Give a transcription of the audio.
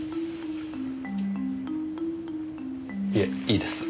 いえいいです。